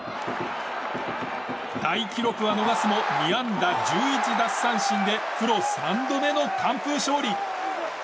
大記録は逃すも２安打１１奪三振でプロ３度目の完封勝利！